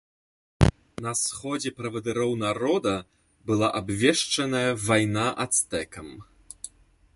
На сходзе правадыроў народа была абвешчаная вайна ацтэкам.